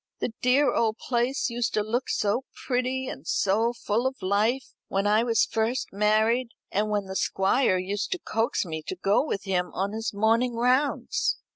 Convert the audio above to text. The dear old place used to look so pretty and so full of life when I was first married, and when the Squire used to coax me to go with him on his morning rounds.